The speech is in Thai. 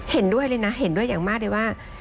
เห็นด้วยเลยนะเห็นด้วยอย่างมากเลยว่า